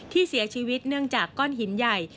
ที่เสียชีวิตเนื่องจากก้อนหินใหญ่